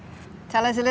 beritahu kami sedikit